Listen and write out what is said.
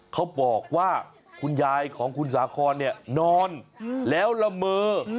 เค้าบอกว่าคุณยายของคุณสาคอนนอนแล้วระมือ